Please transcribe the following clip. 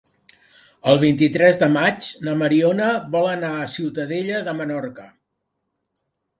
El vint-i-tres de maig na Mariona vol anar a Ciutadella de Menorca.